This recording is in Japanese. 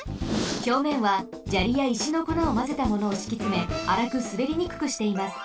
ひょうめんはじゃりやいしのこなをまぜたものをしきつめあらくすべりにくくしています。